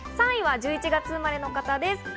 ３位は１１月生まれの方です。